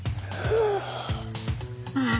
ああ。